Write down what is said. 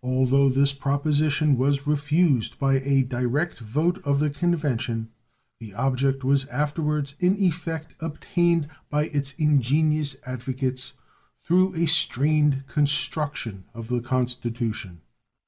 Although this proposition was refused by a direct vote of the Convention, the object was afterwards in effect obtained by its ingenious advocates through a strained construction of the Constitution.